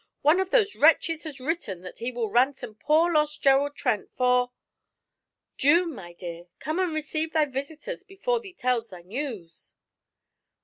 One of those wretches has written that he will ransom poor lost Gerald Trent for ' 'June, my dear, come and receive thy visitors before thee tells thy news.'